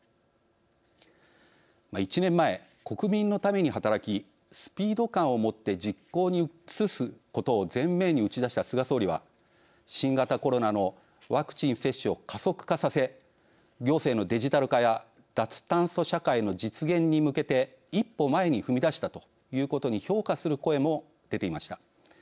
１年前、国民のために働きスピード感を持って実行に移すことを前面に打ち出した菅総理は新型コロナのワクチン接種を加速化させ行政のデジタル化や脱炭素社会の実現に向けて一歩前に踏み出したということに評価する声も出ていました。